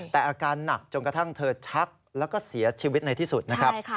แต่อาการหนักจนกระทั่งเธอชักแล้วก็เสียชีวิตในที่สุดนะครับ